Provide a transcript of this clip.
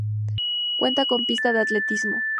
Cuenta con pista de atletismo.